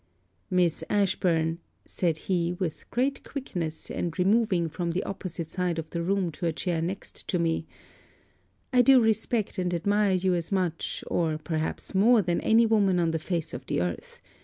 'Miss Ashburn,' said he, with great quickness and removing from the opposite side of the room to a chair next me, 'I do respect and admire you as much or perhaps more than any woman on the face of the earth.